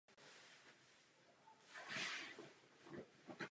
Po tlaku polské vlády musel opustil Rakousko a Československo a odešel do Německa.